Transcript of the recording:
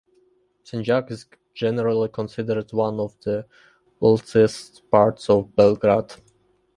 Senjak is generally considered one of the wealthiest parts of Belgrade.